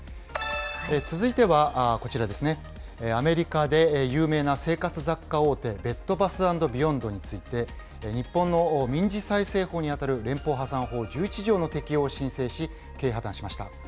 続いてはこちらですね、アメリカで有名な生活雑貨大手、ベッド・バス・アンド・ビヨンドについて、日本の民事再生法に当たる連邦破産法１１条の適用を申請し、経営破綻しました。